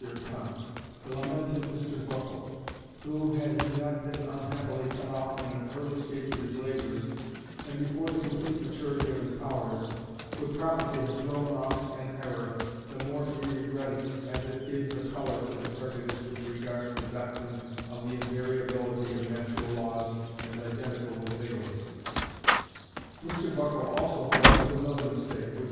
Comte the lamented Mr Buckle; who, had he not been unhappily cut off in an early stage of his labours, and before the complete maturity of his powers, would probably have thrown off an error, the more to be regretted as it gives a colour to the prejudice which regards the doctrine of the invariability of natural laws as identical with fatalism. Mr Buckle also fell into another mistake which M.